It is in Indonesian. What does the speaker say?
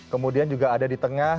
kemudian juga ada di tengah